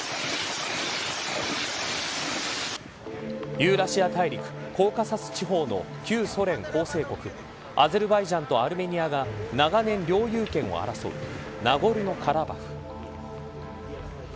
ユーラシア大陸コーカサス地方の旧ソ連構成国アゼルバイジャンとアルメニアが長年、領有権を争うナゴルノカラバフ。